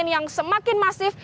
yang semakin masif